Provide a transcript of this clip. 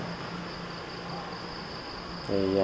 thì qua nhận định đó